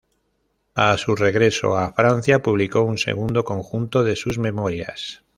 A su regreso a Francia, publicó un segundo conjunto de sus memorias.